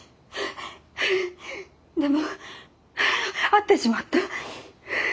でも会ってしまった。